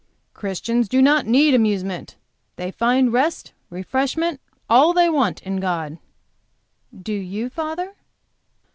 "Christians do not need amusement; they find rest, refreshment, all they want, in God." "Do you, father?"